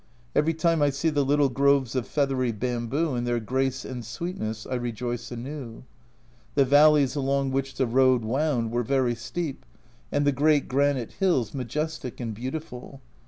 Every time I see the little groves of feathery bamboo in their grace and sweetness I rejoice anew. The valleys along A Journal from Japan 45 which the road wound were very steep, and the great granite hills majestic and beautiful.